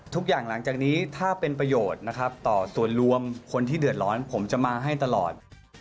หลังจากนี้ถ้าเป็นประโยชน์นะครับต่อส่วนรวมคนที่เดือดร้อนผมจะมาให้ตลอด